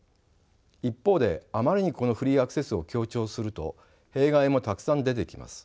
一方であまりにこのフリーアクセスを強調すると弊害もたくさん出てきます。